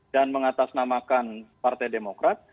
dan mengatasnamakan partai demokrat